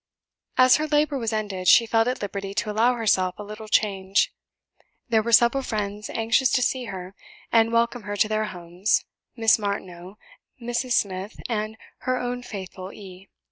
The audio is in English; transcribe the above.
As her labour was ended, she felt at liberty to allow herself a little change. There were several friends anxious to see her and welcome her to their homes Miss Martineau, Mrs. Smith, and her own faithful E